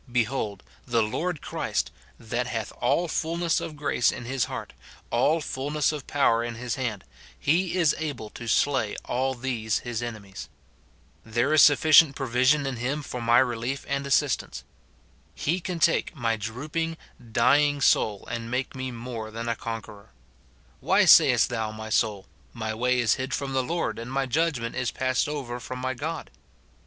* Behold, the Lord Christ, that hath all fulness of grace in his heart, all fulness of power in his hand, he is able to slay all these his enemies. There is suflB cient provision in him for my relief and assistance. He can take my drooping, dying soul and make me more than a conqueror, f ' Why say est thou, my soul, My ■way is hid from the Lord, and my judgment is passed over from my God